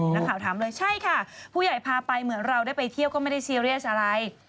นักข่าวถามเลยใช่ค่ะผู้ใหญ่พาไปเหมือนเราได้ไปเที่ยวก็ไม่ได้ซีเรียสอะไร